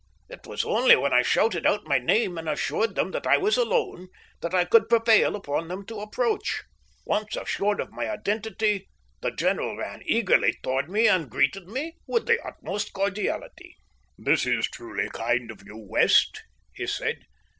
It was only when I shouted out my name and assured them that I was alone that I could prevail upon them to approach. Once assured of my identity the general ran eagerly towards me and greeted me with the utmost cordiality. "This is truly kind of you, West," he said.